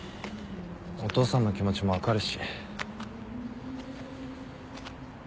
お父さんの気持ちも分かるし。